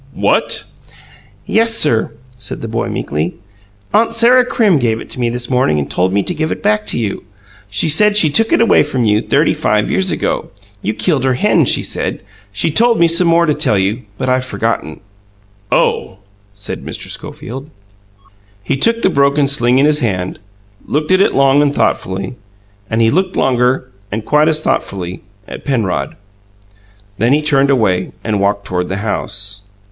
"What?" "Yes, sir," said the boy meekly. "Aunt Sarah Crim gave it to me this morning and told me to give it back to you. She said she took it away from you thirty five years ago. You killed her hen, she said. She told me some more to tell you, but I've forgotten." "Oh!" said Mr. Schofield. He took the broken sling in his hand, looked at it long and thoughtfully and he looked longer, and quite as thoughtfully, at Penrod. Then he turned away, and walked toward the house.